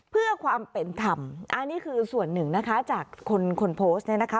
เพื่อความเป็นธรรมอันนี้คือส่วนหนึ่งนะคะจากคนคนโพสต์เนี่ยนะคะ